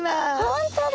本当だ！